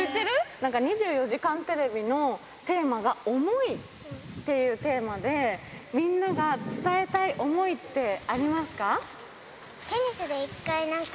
なんか２４時間テレビのテーマが、想いっていうテーマで、みんなが伝えたい想いってありますか？